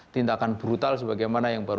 tindakan brutal sebagaimana yang baru